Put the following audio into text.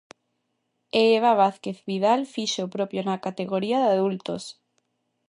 E Eva Vázquez Vidal fixo o propio na categoría de adultos.